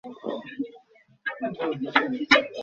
তিনি দ্বিতীয় পুত্র সন্তান ছিলেন।